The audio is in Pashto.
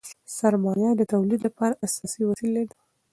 سرمایه د تولید لپاره اساسي وسیله ده.